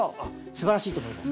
すばらしいと思います。